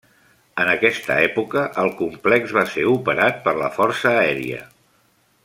En aquesta època el complex va ser operat per la Força Aèria.